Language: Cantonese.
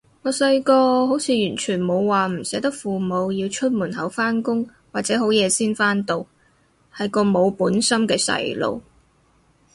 我細個好似完全冇話唔捨得父母要出門口返工或者好夜先返到，係個冇本心嘅細路